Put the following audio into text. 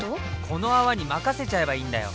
この泡に任せちゃえばいいんだよ！